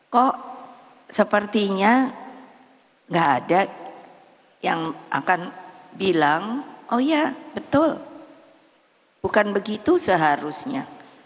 kok sepertinya gak ada yang akan bilang oh iya betul bukan begitu seharusnya